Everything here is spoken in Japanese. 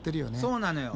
そうなのよ。